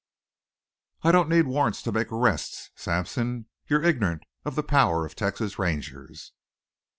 "I don't need warrants to make arrests. Sampson, you're ignorant of the power of Texas Rangers."